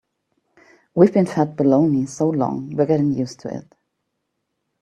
We've been fed baloney so long we're getting used to it.